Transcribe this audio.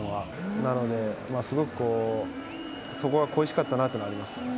なので、すごくそこが恋しかったなってのがありますね。